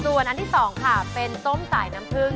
ส่วนอันที่สองค่ะเป็นส้มสายน้ำพรึง